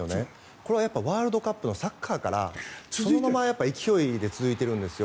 これはワールドカップのサッカーからそのまま勢いが続いてるんですよ。